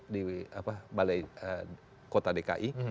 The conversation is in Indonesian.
di balai kota dki